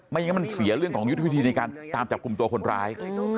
อย่างนั้นมันเสียเรื่องของยุทธวิธีในการตามจับกลุ่มตัวคนร้าย